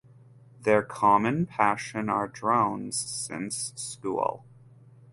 Their common passion are drones since school.